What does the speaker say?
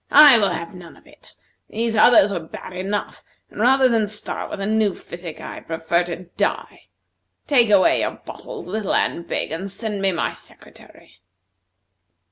"I will have none of it! These others were bad enough, and rather than start with a new physic, I prefer to die. Take away your bottles, little and big, and send me my secretary."